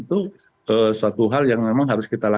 itu suatu hal yang memang harus diberikan